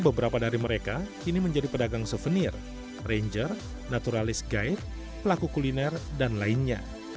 beberapa dari mereka kini menjadi pedagang souvenir ranger naturalis guide pelaku kuliner dan lainnya